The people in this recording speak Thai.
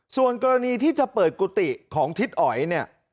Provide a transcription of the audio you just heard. ส่วนกรณีที่จะเปิดกุฏิของทิศอ๋อยเนี่ย